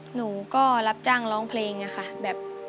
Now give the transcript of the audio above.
หนูก็รับจ้างร้องเพลงอะค่ะแบบ